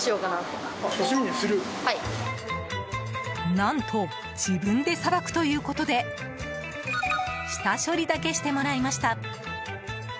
何と自分でさばくということで下処理だけしてもらいました。